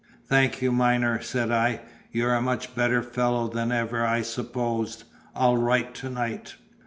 "Thank you, Myner," said I; "you're a much better fellow than ever I supposed. I'll write to night."